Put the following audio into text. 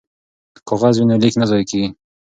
که کاغذ وي نو لیک نه ضایع کیږي.